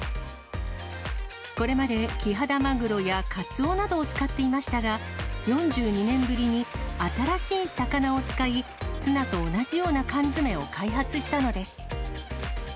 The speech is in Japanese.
これまでキハダマグロやカツオなどを使っていましたが、４２年ぶりに新しい魚を使い、ツナと同じような缶詰を開発したのです。